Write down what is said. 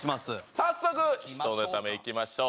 早速１ネタ目いきましょう